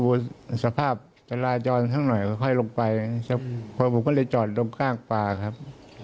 รู้สึกเรานี่หนุนแหลกไหมครับ